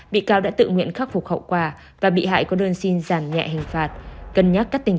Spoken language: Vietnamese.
bị cáo đã tự nguyện khắc phục hậu quả và bị hại có đơn xin giảm nhẹ hình phạt cân nhắc các tình